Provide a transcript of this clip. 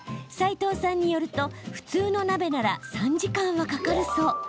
さいとうさんによると普通の鍋なら３時間はかかるそう。